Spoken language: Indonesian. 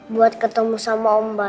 buat ketemu sama om bayu